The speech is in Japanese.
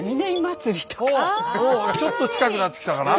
ちょっと近くなってきたかな。